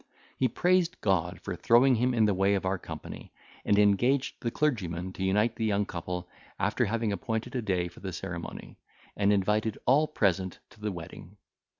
He praised God for throwing him in the way of our company, and engaged the clergyman to unite the young couple, after having appointed a day for the ceremony, and invited all present to the wedding.